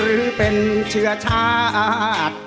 หรือเป็นเชื้อชาติ